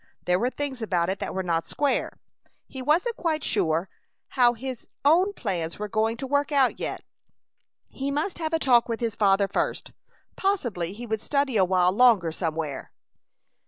There were things about it that were not square. He wasn't quite sure how his his own plans were going to work out yet. He must have a talk with his father first. Possibly he would study awhile longer somewhere.